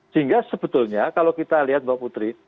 sehingga sebetulnya kalau kita lihat mbak putri